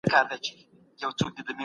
موږ په پښتو ژبي کي خپل تاريخ لولو.